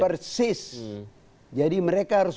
persis jadi mereka harus